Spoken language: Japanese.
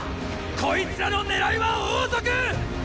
こいつらの狙いは王族っ！！